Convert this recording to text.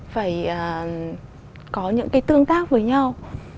phải có những cái tương tác với nhau